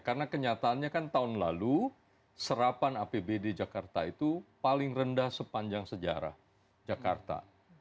karena kenyataannya kan tahun lalu serapan apbd jakarta itu paling rendah sepanjang sejarah jakarta